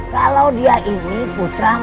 kalau dia ini putra mu